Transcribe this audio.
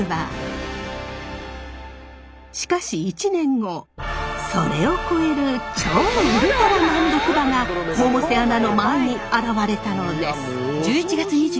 しかし１年後それを超える超ウルトラ難読馬が百瀬アナの前に現れたのです。